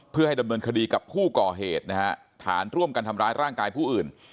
เพื่อให้ดำเนินคดีกับผู้ก่อเหตุนะฮะฐานร่วมกันทำร้ายร่างกายผู้อื่น